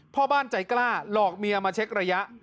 พ่อบ้านใจกล้าหลอกเมียมาเช็กระยะ